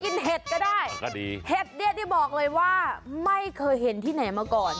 กินเห็ดก็ได้เห็ดนี่ที่บอกเลยว่าไม่เคยเห็นที่ไหนมาก่อน